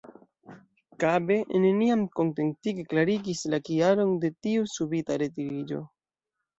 Kabe neniam kontentige klarigis la kialon de tiu subita retiriĝo.